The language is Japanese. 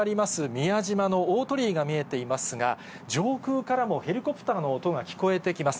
宮島の大鳥居が見えていますが、上空からもヘリコプターの音が聞こえてきます。